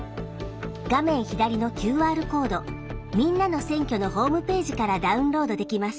画面左のＱＲコード「みんなの選挙」のホームページからダウンロードできます。